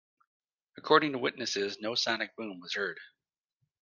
According to witnesses no sonic boom was heard.